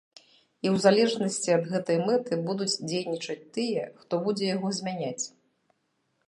І ў залежнасці ад гэтай мэты будуць дзейнічаць тыя, хто будзе яго змяняць.